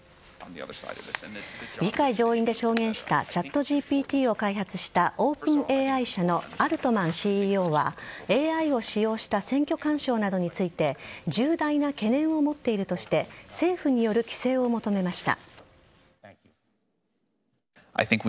議会上院で証言したＣｈａｔＧＰＴを開発したオープンＡＩ社のアルトマンＣＥＯはＡＩを使用した選挙干渉などについて重大な懸念を持っているとして政府による規制を求めました。